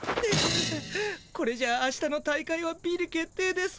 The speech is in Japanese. これじゃあしたの大会はビリ決定です。